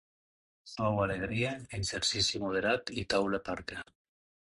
Suau alegria, exercici moderat i taula parca.